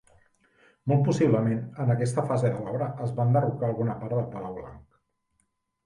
Molt possiblement en aquesta fase de l'obra es va enderrocar alguna part del Palau Blanc.